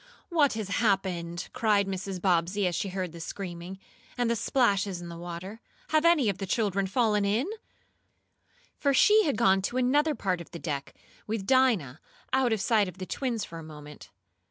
"What has happened?" cried Mrs. Bobbsey, as she heard the screaming, and the splashes in the water. "Have any of the children fallen in?" For she had gone to another part of the deck, with Dinah, out of sight of the twins for a moment.